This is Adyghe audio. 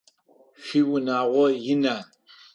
Шъуиунагъо ина?